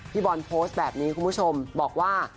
พี่บอลโพสต์แบบนี้คุณผู้ชมบอกว่า